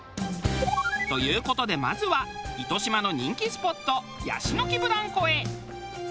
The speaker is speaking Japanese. という事でまずは糸島の人気スポットヤシの木ブランコへ。